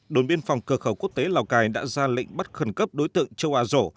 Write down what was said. đồn biên phòng cửa khẩu quốc tế lào cai đã ra lệnh bắt khẩn cấp đối tượng châu á rổ